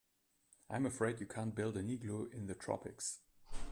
I'm afraid you can't build an igloo in the tropics.